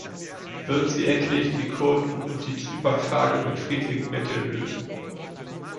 Wird sie endlich die Kurden- und die Zypernfrage mit friedlichen Mitteln lösen?